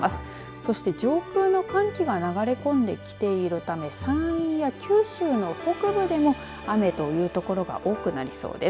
そして上空の寒気が流れ込んできているため山陰や九州の北部でも雨という所が多くなりそうです。